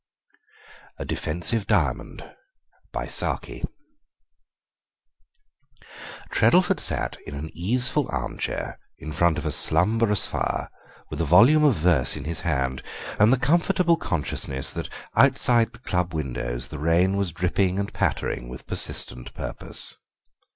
A DEFENSIVE DIAMOND Treddleford sat in an easeful arm chair in front of a slumberous fire, with a volume of verse in his hand and the comfortable consciousness that outside the club windows the rain was dripping and pattering with persistent purpose.